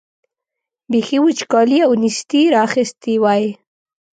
بېخي وچکالۍ او نېستۍ را اخیستي وای.